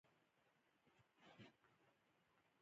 د وروځو د ډکیدو لپاره کوم تېل وکاروم؟